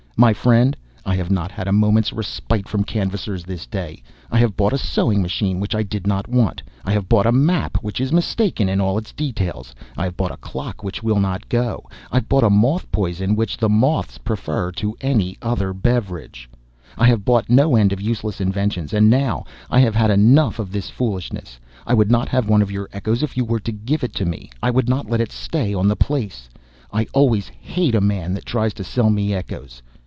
�My friend, I have not had a moment's respite from canvassers this day. I have bought a sewing machine which I did not want; I have bought a map which is mistaken in all its details; I have bought a clock which will not go; I have bought a moth poison which the moths prefer to any other beverage; I have bought no end of useless inventions, and now I have had enough of this foolishness. I would not have one of your echoes if you were even to give it to me. I would not let it stay on the place. I always hate a man that tries to sell me echoes.